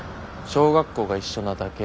小学校が一緒なだけ。